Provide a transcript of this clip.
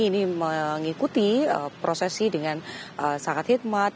ini mengikuti prosesi dengan sangat hikmat